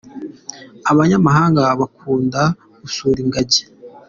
abanyamahanga bakunda gusura ingajyi